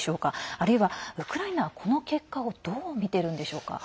あるいはウクライナはこの結果をどう見ているのでしょうか。